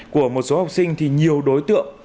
của một số học sinh thì nhiều đối tượng